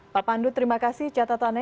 pak pandu terima kasih catatannya